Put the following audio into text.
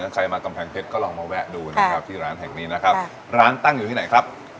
ใครมากำแพงเพชรก็ลองมาแวะดูนะครับที่ร้านแห่งนี้นะครับร้านตั้งอยู่ที่ไหนครับ